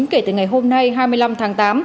kể từ ngày hôm nay hai mươi năm tháng tám